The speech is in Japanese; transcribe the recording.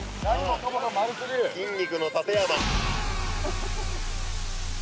筋肉の館山！